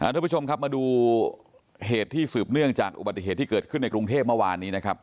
ทุกผู้ชมครับมาดูเหตุที่สืบเนื่องจากอุบัติเหตุที่เกิดขึ้นในกรุงเทพเมื่อวานนี้นะครับ